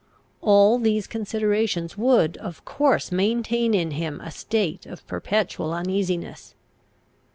All these considerations would of course maintain in him a state of perpetual uneasiness.